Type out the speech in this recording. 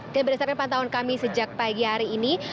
dan berdasarkan pantauan kami sejak pagi hari ini